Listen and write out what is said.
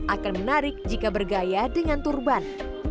akan menarik jika bergaya dengan turban